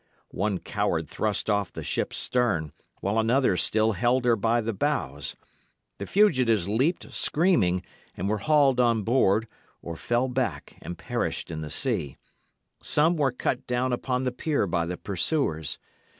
One coward thrust off the ship's stern, while another still held her by the bows. The fugitives leaped, screaming, and were hauled on board, or fell back and perished in the sea. Some were cut down upon the pier by the pursuers.